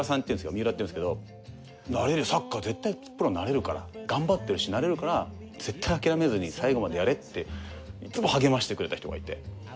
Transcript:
三浦っていうんですけどなれるよサッカー絶対プロになれるから頑張ってるしなれるから絶対諦めずに最後までやれっていつも励ましてくれた人がいて。